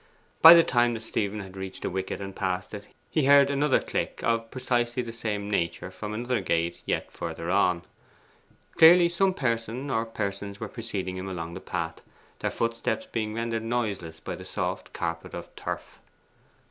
By the time that Stephen had reached the wicket and passed it, he heard another click of precisely the same nature from another gate yet further on. Clearly some person or persons were preceding him along the path, their footsteps being rendered noiseless by the soft carpet of turf.